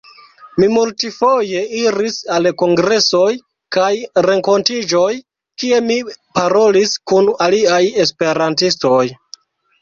Mi multfoje iris al kongresoj kaj renkontiĝoj, kie mi parolis kun aliaj esperantistoj.